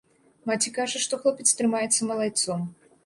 Маці кажа, што хлопец трымаецца малайцом.